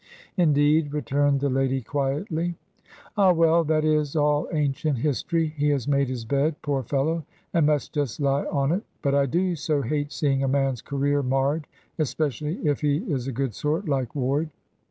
"Indeed," returned the lady, quietly. "Ah, well! that is all ancient history. He has made his bed, poor fellow, and must just lie on it; but I do so hate seeing a man's career marred, especially if he is a good sort, like Ward!"